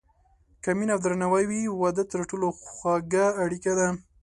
که مینه او درناوی وي، واده تر ټولو خوږه اړیکه ده.